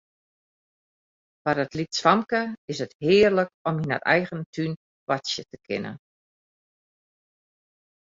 Foar it lytsfamke is it hearlik om yn har eigen tún boartsje te kinnen.